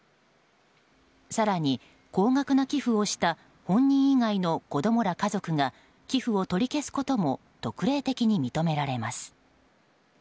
更に高額な寄付をした本人以外の子供ら家族が寄付を取り消すことも特例的に認められます。